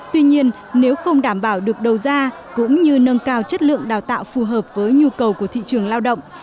tuy nhiên nếu không đảm bảo được đầu ra cũng như nâng cao chất lượng đào tạo phù hợp với nhu cầu của thị trường lao động